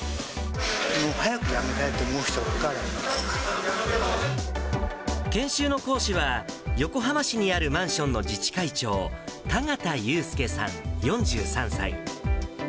もう早く辞めたいと思う人ば研修の講師は、横浜市にあるマンションの自治会長、田形勇輔さん４３歳。